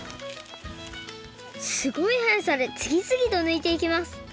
すごいはやさでつぎつぎとぬいていきます。